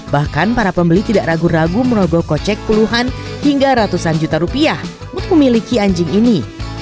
bahkan para pembeli tidak ragu ragu merogoh kocek puluhan hingga ratusan juta rupiah untuk memiliki anjing ini